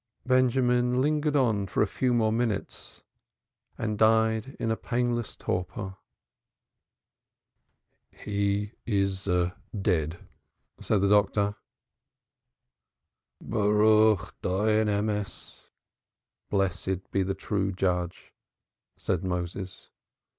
Benjamin lingered on a few more minutes, and died in a painless torpor. "He is dead," said the doctor. "Blessed be the true Judge," said Moses.